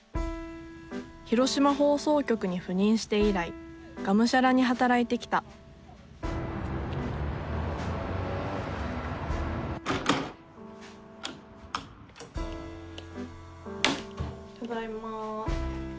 広島放送局に赴任して以来がむしゃらに働いてきたただいま。